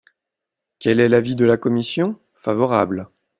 Quel est l’avis de la commission ? Favorable.